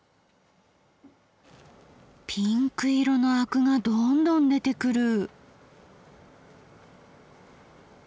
ピンク色のアクがどんどん出てくる。